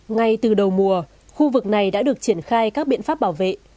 ngay từ đầu mùa khu vực này đã được triển khai các biện pháp bảo vệ